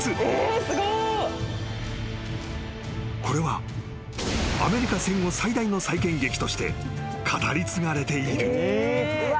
［これはアメリカ戦後最大の再建劇として語り継がれている］